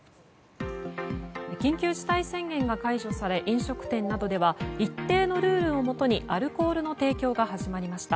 緊急事態宣言が解除され飲食店などでは一定のルールをもとにアルコールの提供が始まりました。